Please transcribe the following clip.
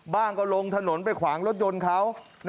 บ้างก็ลงถนนไปขวางรถยนต์เขา